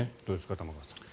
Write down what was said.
玉川さん。